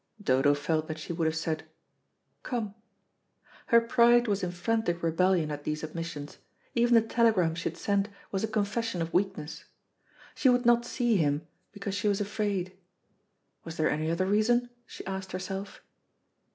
Dodo felt that she would have said "Come." Her pride was in frantic rebellion at these admissions; even the telegram she had sent was a confession of weakness. She would not see him, because she was afraid. Was there any other reason? she asked herself.